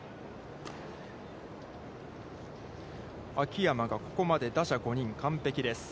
秋山がここまで打者５人、完璧です。